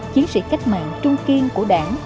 chiến sĩ cách mạng trung kiên của đảng